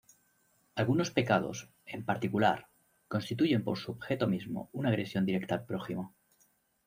Algunos pecados, en particular, constituyen por su objeto mismo una agresión directa al prójimo.